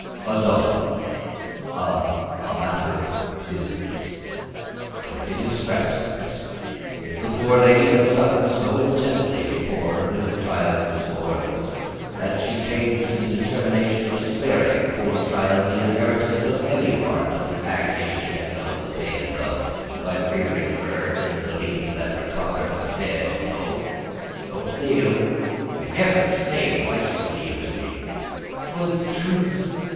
"A daughter. A a matter of business don't be distressed. Miss, if the poor lady had suffered so intensely before her little child was born, that she came to the determination of sparing the poor child the inheritance of any part of the agony she had known the pains of, by rearing her in the belief that her father was dead No, don't kneel! In Heaven's name why should you kneel to me!" "For the truth.